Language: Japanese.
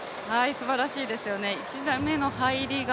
すばらしいですよね、１台目の入りが